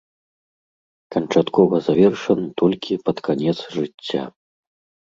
Канчаткова завершаны толькі пад канец жыцця.